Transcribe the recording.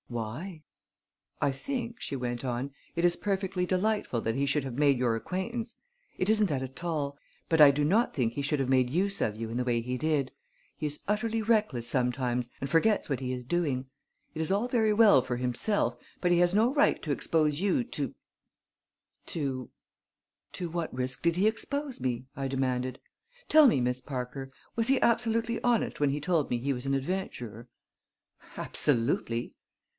"Why?" "I think," she went on, "it is perfectly delightful that he should have made your acquaintance. It isn't that at all. But I do not think he should have made use of you in the way he did. He is utterly reckless sometimes and forgets what he is doing. It is all very well for himself, but he has no right to expose you to to " "To what risk did he expose me?" I demanded. "Tell me, Miss Parker was he absolutely honest when he told me he was an adventurer?" "Absolutely!"